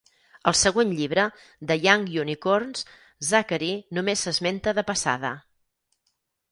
Al següent llibre, "The Young Unicorns", Zachary només s'esmenta de passada.